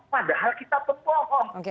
padahal kita pembohong